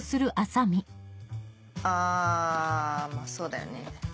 あまぁそうだよね。